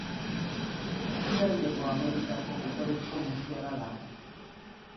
Erdialdeko Amerikako jatorrizko muskerra da.